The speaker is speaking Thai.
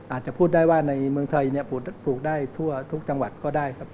อาจจะพูดได้ว่าในเมืองไทยปลูกได้ทั่วทุกจังหวัดก็ได้ครับ